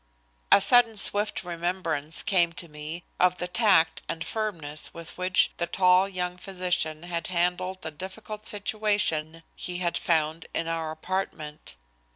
A sudden swift remembrance came to me of the tact and firmness with which the tall young physician had handled the difficult situation he had found in our apartment.